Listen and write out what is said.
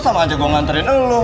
sama aja gue ngantarin elu lu